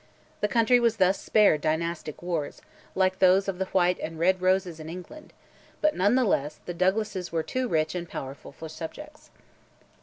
The country was thus spared dynastic wars, like those of the White and Red Roses in England; but, none the less, the Douglases were too rich and powerful for subjects.